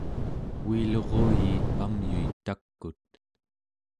uiluruyiit pamyuit tak'ut